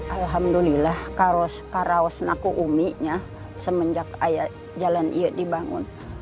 alhamdulillah karawas naku uminya semenjak jalan ini dibangun